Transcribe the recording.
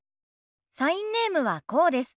サインネームはこうです。